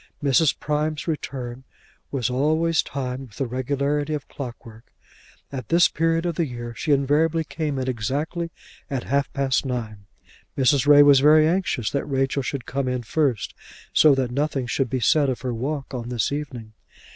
Mrs. Prime's return was always timed with the regularity of clockwork. At this period of the year she invariably came in exactly at half past nine. Mrs. Ray was very anxious that Rachel should come in first, so that nothing should be said of her walk on this evening.